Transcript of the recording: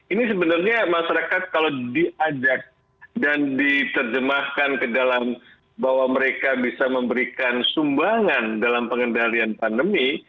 ini sebenarnya masyarakat kalau diajak dan diterjemahkan ke dalam bahwa mereka bisa memberikan sumbangan dalam pengendalian pandemi